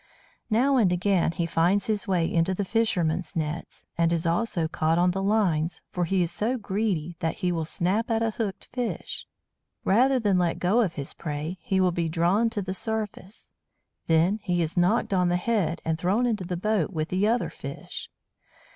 Now and again he finds his way into the fishermen's nets; and is also caught on the lines, for he is so greedy that he will snap at a hooked fish. Rather than let go of his prey, he will be drawn to the surface. Then he is knocked on the head, and thrown into the boat with the other fish.